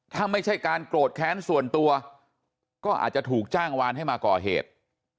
ถ้าไม่ใช่การโกรธแค้นส่วนตัวก็อาจจะถูกจ้างวานให้มาก่อเหตุ